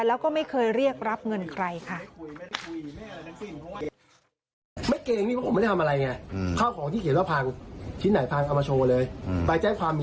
แล้วก็ไม่เคยเรียกรับเงินใครค่ะ